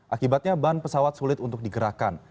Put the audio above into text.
akibatnya ban pesawat sulit untuk digerakkan